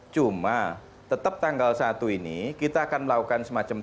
cuma tetap tanggal satu ini kita akan melakukan semacam